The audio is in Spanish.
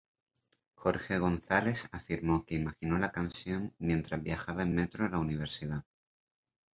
Jorge González afirmó que imaginó la canción mientras viajaba en metro a la universidad.